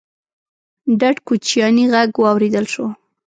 ډډ کوچيانی غږ واورېدل شو: